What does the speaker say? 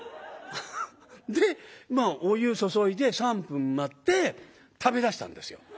でお湯注いで３分待って食べだしたんですよ。